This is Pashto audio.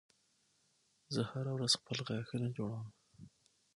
زه هره ورځ خپل غاښونه جوړوم